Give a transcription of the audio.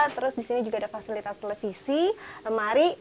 terus di sini juga ada fasilitas televisi lemari